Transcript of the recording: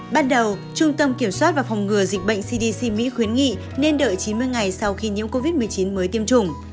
ban đầu trung tâm kiểm soát và phòng ngừa dịch bệnh cdc mỹ khuyến nghị nên đợi chín mươi ngày sau khi nhiễm covid một mươi chín mới tiêm chủng